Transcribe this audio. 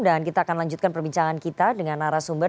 dan kita akan lanjutkan perbincangan kita dengan arah sumber